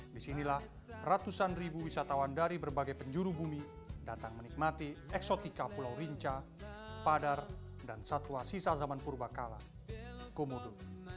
disinilah ratusan ribu wisatawan dari berbagai penjuru bumi datang menikmati eksotika pulau rinca padar dan satwa sisa zaman purba kala komodo